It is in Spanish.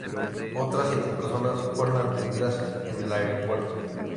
Otras siete personas fueron atendidas en el aeropuerto.